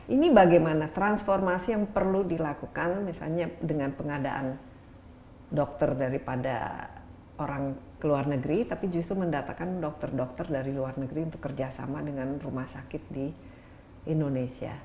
ini bagaimana transformasi yang perlu dilakukan misalnya dengan pengadaan dokter daripada orang ke luar negeri tapi justru mendatakan dokter dokter dari luar negeri untuk kerjasama dengan rumah sakit di indonesia